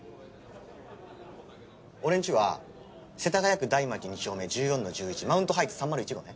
俺んちは世田谷区台町２丁目１４の１１マウントハイツ３０１号ね。